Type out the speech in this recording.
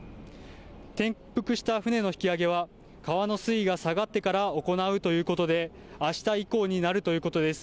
転覆した船の引き揚げは、川の水位が下がってから行うということで、あした以降になるということです。